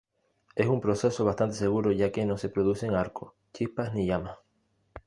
Es un proceso bastante seguro ya que no se producen arcos, chispas ni llamas.